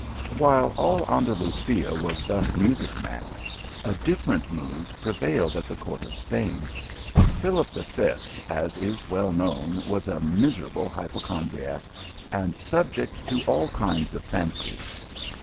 While all Andalusia was thus music mad, a dif ferent mood prevailed at the court of Spain. Philip V., as is well known, was a miserable hypochon driac, and subject to all kinds of fancies.